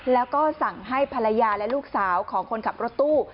แล้วก็สั่งให้ภรรยาและลูกสาวของคนขับรถตู้